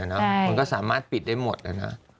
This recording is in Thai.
มันก็สามารถปิดได้หมดนะ